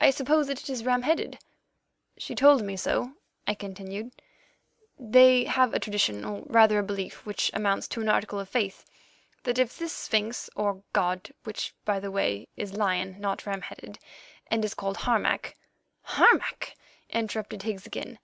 I suppose that it is ram headed." "She told me also," I continued, "that they have a tradition, or rather a belief, which amounts to an article of faith, that if this sphinx or god, which, by the way, is lion, not ram headed, and is called Harmac——" "Harmac!" interrupted Higgs again.